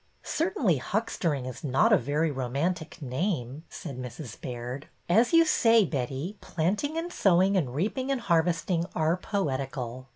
'' Certainly huckstering is not a very romantic name," said Mrs. Baird. As you say, Betty, planting and sowing and reaping and harvesting are poetical."